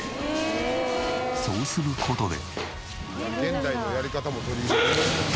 そうする事で。